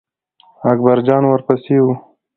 اکبر جان ور پسې و.